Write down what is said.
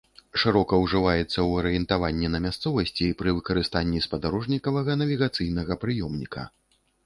Шырока ўжываецца ў арыентаванні на мясцовасці пры выкарыстанні спадарожнікавага навігацыйнага прыёмніка.